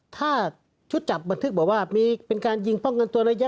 ถ้าชุดจับบันทึกบอกว่าเป็นการยิงป้องกันตัวระยะ